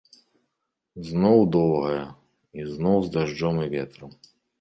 Зноў доўгая, і зноў з дажджом і ветрам.